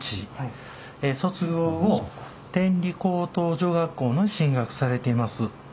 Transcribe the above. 卒業後天理高等女學校に進学されています。